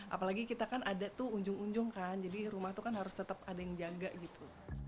apalagi kita kan ada tuh unjung unjung kan jadi rumah tuh kan harus tetap ada yang jaga gitu